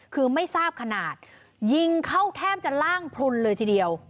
คือไม่ทราบขนาดยิงเข้าแทบจะล่างพลุนเลยทีเดียว